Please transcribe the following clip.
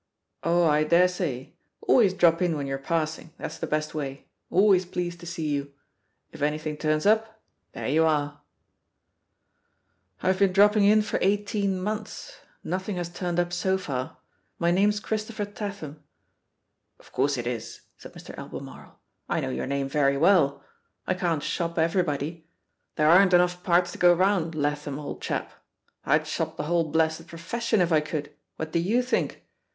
"Oh, I dare say. Always drop in when you're passing, that's the best way — always pleased to see you. If anything turns up, there you are I" "I've been dropping in for eighteen months, SSTothing has turned up so far. My name's Christopher Tatham." *'0f course it is," said Mr. Albemarle. "I know yoin* name very well. I can't shop every body; there aren't enough parts to go round, Latham, old chap. I'd shop the whole blessed profession, if I could, what do you think?